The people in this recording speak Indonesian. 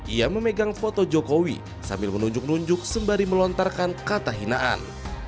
ia memegang foto jokowi sambil menunjuk nunjuk sembari melontarkan kata hinaan